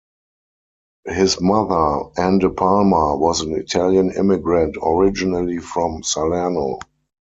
His mother, Ann De Palma, was an Italian immigrant originally from Salerno.